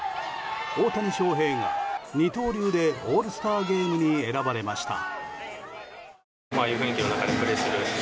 大谷翔平が二刀流でオールスターゲームに選ばれました。